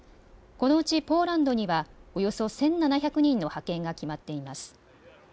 このうちポーランドにはおよそ１７００人の派遣が決まっています。